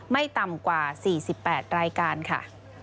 ไม่ต่ำกว่า๔๘รายการค่ะ